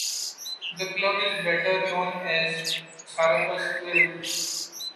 The club is better known as Sakaryaspor.